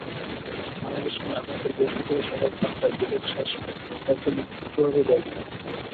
বাংলাদেশ সময় আগামীকাল বৃহস্পতিবার সকাল সাতটায় গ্রুপের শেষ ম্যাচে ডেনমার্কের মুখোমুখি হবে ব্রাজিল।